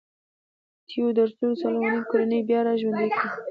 تیوودروس سالومونیک کورنۍ بیا را ژوندی کړه.